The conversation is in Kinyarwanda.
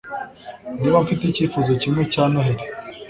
niba mfite icyifuzo kimwe cya noheri